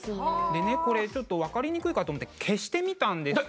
でねこれちょっと分かりにくいかと思って消してみたんですよ。